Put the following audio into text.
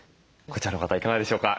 こちらの方いかがでしょうか？